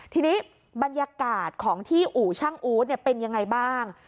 ทีนี้บรรยากาศของที่อู่ช่างอู๊ดเป็นยังไงบ้าง